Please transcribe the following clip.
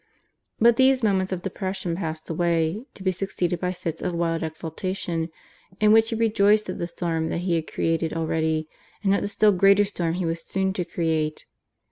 But these moments of depression passed away, to be succeeded by fits of wild exultation in which he rejoiced at the storm that he had created already, and at the still greater storm he was soon to create.